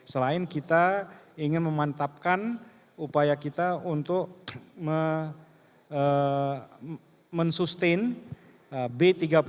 selain kita ingin memantapkan upaya kita untuk mensustain b tiga puluh